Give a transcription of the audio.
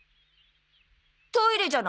トイレじゃない？